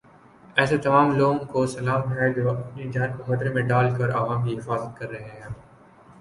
ایسے تمام لوگوں کو سلام ہے جو اپنی جان کو خطرے میں ڈال کر عوام کی حفاظت کر رہے ہیں۔